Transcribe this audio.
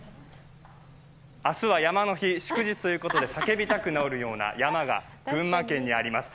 明日は山の日、祝日ということで叫びたくなるような山が群馬県にあります。